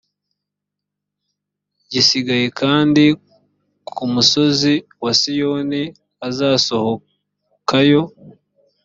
gisigaye kandi ku musozi wa siyoni hazasohokayo